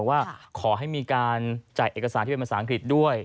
ว่าขอให้มีการจ่ายเอกสารที่เป็นภาษาอังกฤษด้วย